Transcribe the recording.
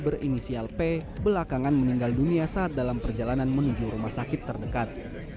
berinisial p belakangan meninggal dunia saat dalam perjalanan menuju rumah sakit terdekat